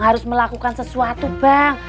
kita mau lakukan sesuatu bang